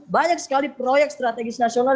banyak sekali proyek strategis nasional